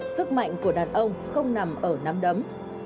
sức mạnh của đàn ông không nằm ở nắm đấm